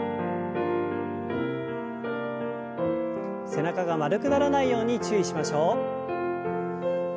背中が丸くならないように注意しましょう。